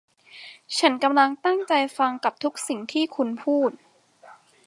ฉันกำลังตั้งใจฟังกับทุกสิ่งที่คุณพูด